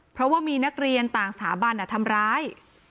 เพราะว่ามีนักเรียนต่างสถาบันทำร้าย